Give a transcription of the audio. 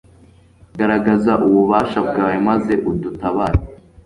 garagaza ububasha bwawe maze udutabare